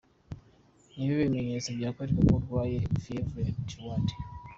Ni ibihe bimenyetso byakwereka ko urwaye fievre tyhoide?.